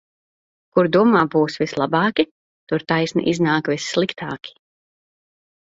Kur domā būs vislabāki, tur taisni iznāk vissliktāki.